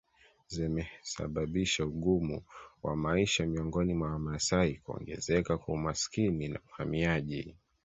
zimesababisha ugumu wa maisha miongoni mwa Wamasai kuongezeka kwa umaskini na uhamiaji